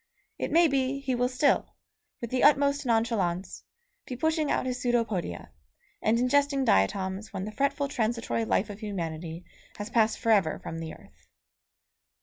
It may be he will still, with the utmost nonchalance, be pushing out his pseudopodia, and ingesting diatoms when the fretful transitory life of humanity has passed altogether from the earth.